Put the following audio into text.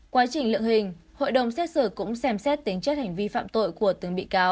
quá trình lượng hình hội đồng xét xử cũng xem xét tính chất hành vi phạm tội của từng bị cáo